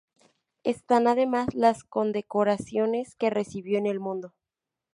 Están además las condecoraciones que recibió en el mundo.